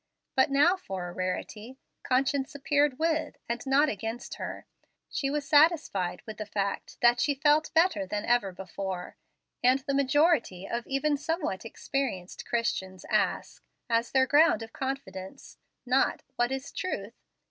But now, for a rarity, conscience appeared with, and not against her. She was satisfied with the fact that she felt better than ever before; and the majority of even somewhat experienced Christians ask, as their ground of confidence, not "What is truth?"